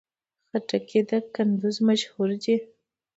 خربوزې د کندز مشهورې دي